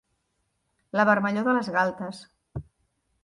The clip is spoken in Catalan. La vermellor de les galtes.